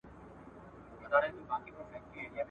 احمد شاه ابدالي څنګه د همکارۍ پراختیا ته پام کاوه؟